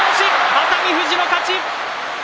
熱海富士の勝ち。